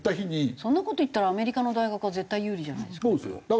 そんな事言ったらアメリカの大学は絶対有利じゃないですか。